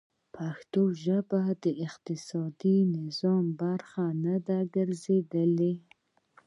پښتو ژبه د اقتصادي نظام برخه نه ده ګرځېدلې.